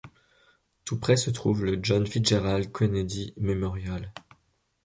Tout près se trouve le John Fitzgerald Kennedy Memorial.